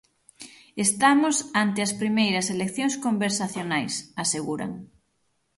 "Estamos ante as primeiras eleccións conversacionais", aseguran.